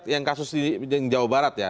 yang kasus di jawa barat ya